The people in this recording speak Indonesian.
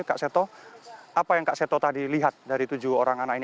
kak seto apa yang kak seto tadi lihat dari tujuh orang anak ini